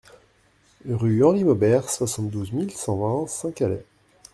Rue Henri Maubert, soixante-douze mille cent vingt Saint-Calais